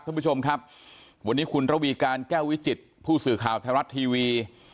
ท่านผู้ชมครับวันนี้คุณระวีการแก้ววิจิตผู้สื่อข่าวไทยรัฐทีวี